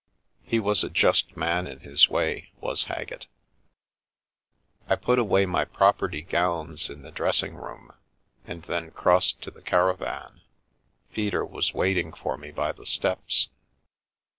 He was a just man in his way, was Haggett. I put away my property gowns in the dressing room, and then crossed to the caravan. Peter was waiting for me by the steps.